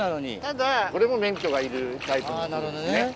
ただこれも免許がいるタイプのフグですね。